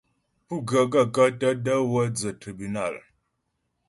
Pú ghə́ gaə̂kə́ tə də̀ wə́ dzə́ tribúnal ?